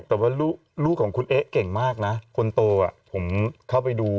แต่ว่าลูกของคุณเอ๊ะเก่งมากนะคนโตผมเข้าไปดู